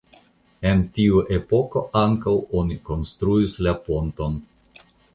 En tiu epoko ankaŭ oni konstruis la ponton.